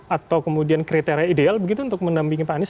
atau kemudian kriteria ideal begitu untuk mendampingi pak anies